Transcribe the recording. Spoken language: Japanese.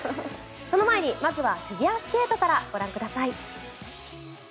その前にまずはフィギュアスケートからご覧ください。